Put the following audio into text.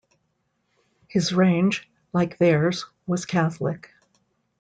His range, like theirs, was catholic.